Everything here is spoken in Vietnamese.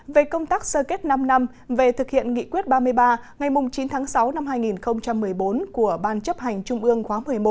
về công tác sơ kết năm năm về thực hiện nghị quyết ba mươi ba ngày chín tháng sáu năm hai nghìn một mươi bốn của ban chấp hành trung ương khóa một mươi một